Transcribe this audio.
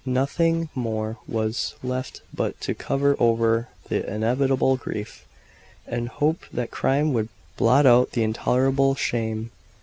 Nothing more was left but to cover over the inevitable grief, and hope that time would blot out the intolerable shame.